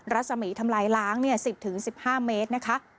รัศมีร์ทำลายล้าง๑๐๑๕เมตรนะคะ